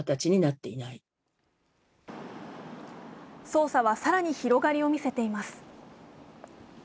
捜査は更に広がりを見せています。